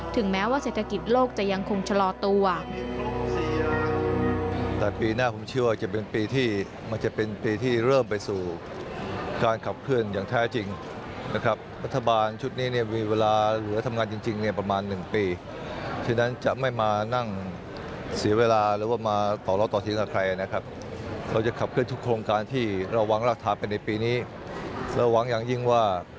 แม้ว่าเศรษฐกิจโลกจะยังคงชะลอตัว